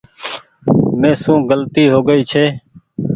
ميسو گلتي هوگئي ڇي